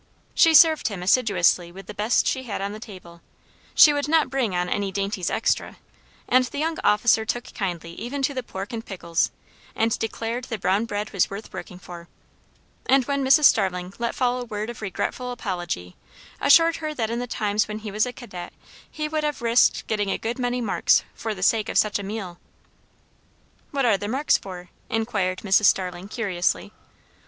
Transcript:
She served him assiduously with the best she had on the table; she would not bring on any dainties extra; and the young officer took kindly even to the pork and pickles, and declared the brown bread was worth working for; and when Mrs. Starling let fall a word of regretful apology, assured her that in the times when he was a cadet he would have risked getting a good many marks for the sake of such a meal. "What are the marks for?" inquired Mrs. Starling curiously.